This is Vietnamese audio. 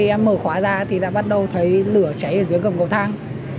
em mở khóa ra thì đã bắt đầu thấy lửa cháy ở dưới gầm cầu thang